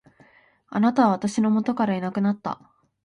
貴方は私の元からいなくなった。